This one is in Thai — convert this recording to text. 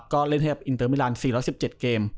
ก็เล่นเท่ากับอินเตอร์มิรานด์๔๑๗เกม